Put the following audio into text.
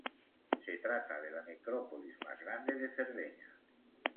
Se trata de la necrópolis más grande de Cerdeña.